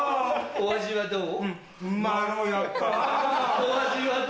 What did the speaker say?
お味はどう？